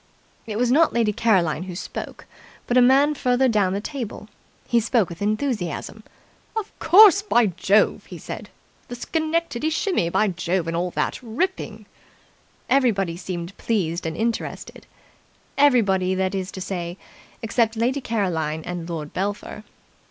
It was not Lady Caroline who spoke, but a man further down the table. He spoke with enthusiasm. "Of course, by Jove!" he said. "The Schenectady Shimmy, by Jove, and all that! Ripping!" Everybody seemed pleased and interested. Everybody, that is to say, except Lady Caroline and Lord Belpher.